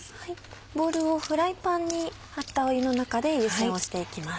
ボウルをフライパンに張ったお湯の中で湯煎をしていきます。